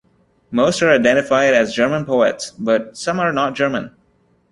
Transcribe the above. Most are identified as "German poets", but some are not German.